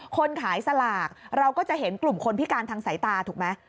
คนขายสลากเราก็จะเห็นกลุ่มคนพิการทางสายตาถูกไหม